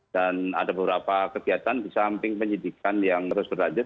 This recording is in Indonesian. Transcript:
dan ada beberapa kegiatan di samping penyelidikan yang terus berlanjut